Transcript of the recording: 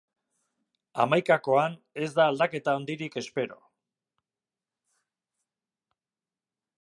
Hamaikakoan ez da aldaketa handirik espero.